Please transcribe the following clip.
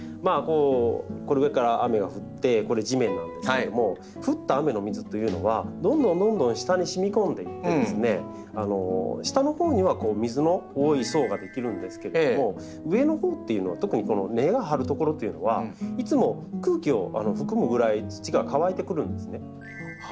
これ上から雨が降ってこれ地面なんですけれども降った雨の水というのはどんどんどんどん下にしみこんでいって下のほうには水の多い層が出来るんですけれども上のほうというのは特にこの根が張る所というのはいつも空気を含むぐらい土が乾いてくるんですね。